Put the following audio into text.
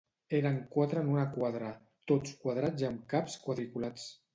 Eren quatre en una quadra, tots quadrats i amb caps quadriculats.